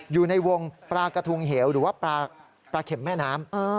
อยู่ในวงปลากระทุงเหวหรือว่าปลาเข็มแม่น้ำ